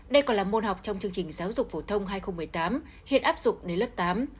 đây còn là môn học trong chương trình giáo dục phổ thông hai nghìn một mươi tám hiện áp dụng đến lớp tám